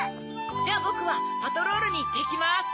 じゃあボクはパトロールにいってきます。